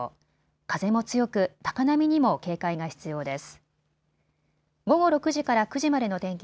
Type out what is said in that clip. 風も強く高波にも警戒が必要です。